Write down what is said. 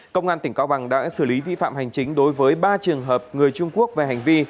công an tỉnh cao bằng đã xử lý vi phạm hành chính đối với ba trường hợp người trung quốc về hành vi